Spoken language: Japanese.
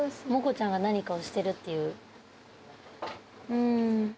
うん。